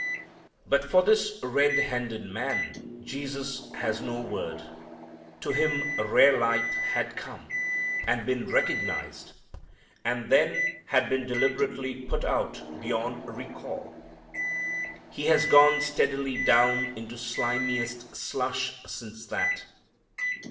But for this red handed man Jesus has no word. To him rare light had come and been recognized, and then had been deliberately put out beyond recall. He has gone steadily down into slimiest slush since that.